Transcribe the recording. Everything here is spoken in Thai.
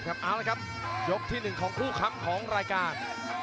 ว่าอย่างนั้นก็ว่ายกที่๑ของผู้ค้ำของรายการ